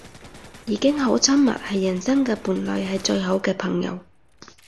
已經好親密，係人生嘅伴侶，係最好嘅朋友